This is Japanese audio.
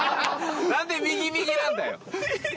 何で右右なんだよ。